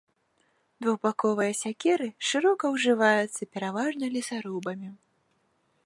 Двухбаковыя сякеры шырока ўжываюцца пераважна лесарубамі.